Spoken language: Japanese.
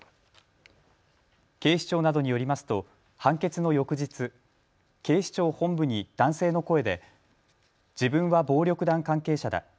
警視庁などによりますと判決の翌日、警視庁本部に男性の声で自分は暴力団関係者だ。